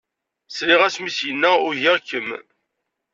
Sliɣ-as mi s-yenna ugiɣ-kem.